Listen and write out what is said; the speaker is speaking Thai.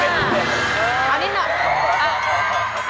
เอานิดหน่อย